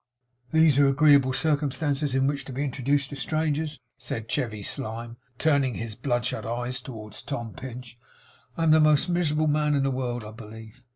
'These are agreeable circumstances in which to be introduced to strangers,' said Chevy Slyme, turning his bloodshot eyes towards Tom Pinch. 'I am the most miserable man in the world, I believe!